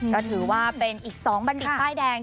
ก็ถือว่าเป็นอีก๒บัณฑิตป้ายแดง